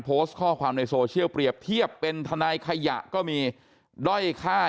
โพสต์ข้อความในโซเชียลเปรียบเทียบเป็นทนายขยะก็มีด้อยค่า